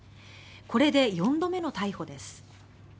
これで４度目の逮捕です。